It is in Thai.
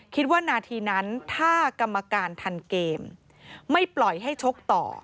คิดว่านาทีนั้นถ้ากรรมการทันเกมไม่ปล่อยให้ชกต่อ